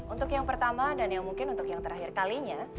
untuk yang pertama dan yang mungkin untuk yang terakhir kalinya